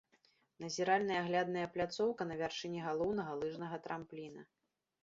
Назіральная аглядная пляцоўка на вяршыні галоўнага лыжнага трампліна.